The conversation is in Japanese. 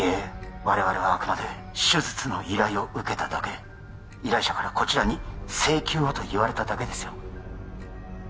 我々はあくまで手術の依頼を受けただけ依頼者からこちらに請求をと言われただけですよ